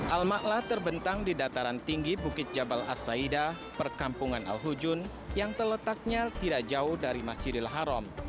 al ⁇ mala ⁇ terbentang di dataran tinggi bukit jabal a saida perkampungan al hujun yang terletaknya tidak jauh dari masjidil haram